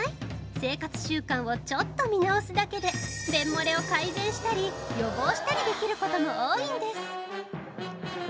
生活習慣をちょっと見直すだけで便もれを改善したり予防したりできることも多いんです。